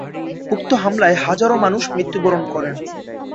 উক্ত হামলায় হাজারো মানুষ মৃত্যুবরণ করেন।